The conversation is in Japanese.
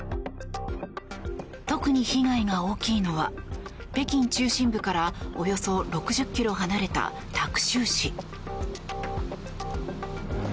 特に被害が大きいのは北京中心部からおよそ６０ｋｍ離れたタクシュウ市。